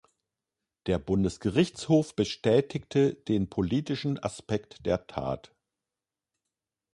Der Bundesgerichtshof bestätigte den politischen Aspekt der Tat.